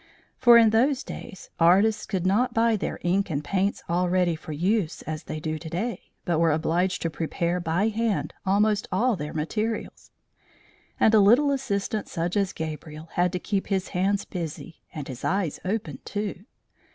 For in those days artists could not buy their ink and paints all ready for use as they do to day, but were obliged to prepare by hand almost all their materials; and a little assistant such as Gabriel had to keep his hands busy, and his eyes open, too.